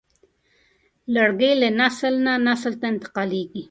لرګی له نسل نه نسل ته انتقالېږي.